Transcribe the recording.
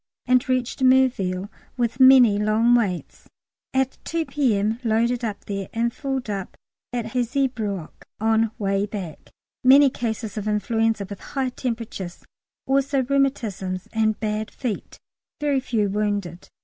and reached Merville (with many long waits) at 2 P.M. Loaded up there, and filled up at Hazebrouck on way back. Many cases of influenza with high temperatures, also rheumatisms and bad feet, very few wounded.